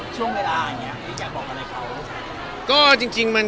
ช่วยกับแต่ลืมก็เรา